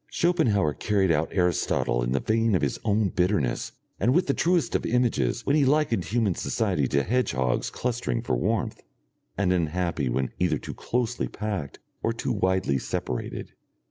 Schopenhauer carried out Aristotle in the vein of his own bitterness and with the truest of images when he likened human society to hedgehogs clustering for warmth, and unhappy when either too closely packed or too widely separated.